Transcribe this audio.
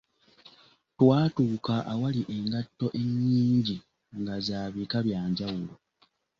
Twatuuka awaali engatto enyingi nga za bika byanjawulo.